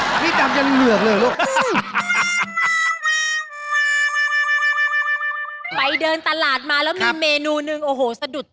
โอ้นี่ดำจนเหลือเลยล่ะลูก